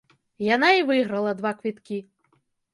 Яна і выйграла два квіткі.